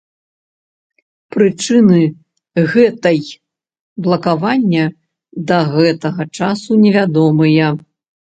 Прычыны гэтай блакавання да гэтага часу невядомыя.